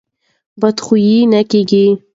بد خویه نه کېږي.